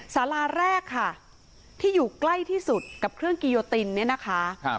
สาราแรกค่ะที่อยู่ใกล้ที่สุดกับเครื่องกิโยตินเนี่ยนะคะ